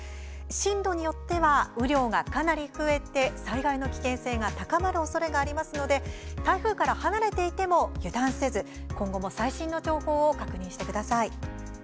進路によっては雨量がかなり増えて災害の危険性が高まるおそれがありますので台風から離れていても油断せず今後も最新の情報を確認してください。